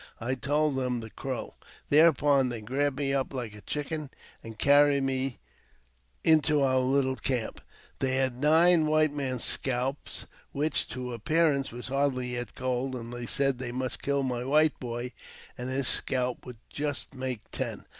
I told them the Crow, Thereupon they grabbed me up like a chicken, and carried me into our little camp. They had nine white men's scalps, which, to appearance, were hardly yet cold, and they said they must kill my white boy, and his scalp would just make ten.